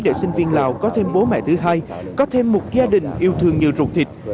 để sinh viên lào có thêm bố mẹ thứ hai có thêm một gia đình yêu thương như ruột thịt